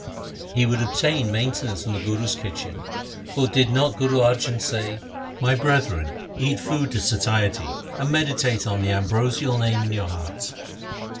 He would obtain mainten ance from the Guru's kitchen, for did not Guru Arjan say :— My brethren, eat food to satiety, And meditate on the ambrosial Name in your hearts.